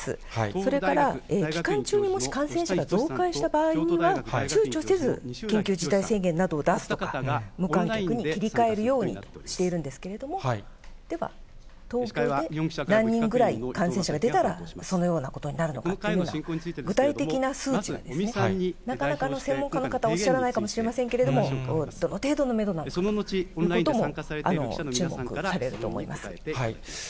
それから期間中にもし感染者が増加した場合には、ちゅうちょせず、緊急事態宣言などを出すとか、無観客に切り替えるようにしているんですけれども、では東京で何人ぐらい感染者が出たら、そのようなことになるのかというような、具体的な数値が、なかなか専門家の方、おっしゃらないかもしれませんけれども、どの程度のメドなのかということも注目されると思います。